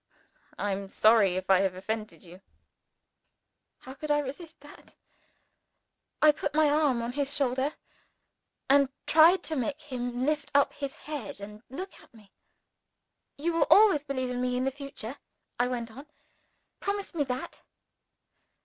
"I am sorry if I have offended you." How could I resist that? I put my hand on his shoulder, and tried to make him lift up his head and look at me. "You will always believe in me in the future?" I went on. "Promise me that."